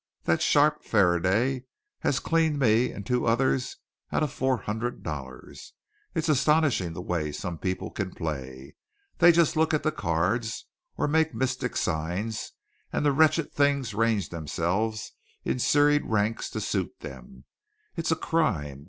That sharp Faraday has cleaned me and two others out of four hundred dollars. It's astonishing the way some people can play. They just look at the cards or make mystic signs and the wretched things range themselves in serried ranks to suit them. It's a crime.